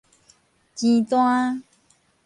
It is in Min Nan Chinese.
錢單